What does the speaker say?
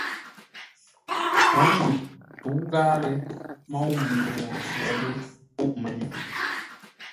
Wǒ ŋuu tə́u ghâa lée môu Manduŋ wə̂ lée pûʼ mənyuŋ.